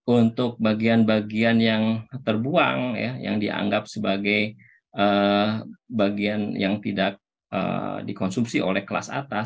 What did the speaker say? untuk bagian bagian yang terbuang yang dianggap sebagai bagian yang tidak dikonsumsi oleh kelas atas